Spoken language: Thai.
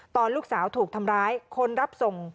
ตอนลูกสาวถูกทำร้ายคนรับส่ง